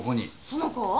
その子を？